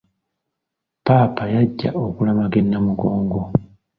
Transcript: Ppaapa yajja okulamaga e Namugongo.